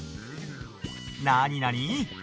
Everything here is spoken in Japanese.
なになに？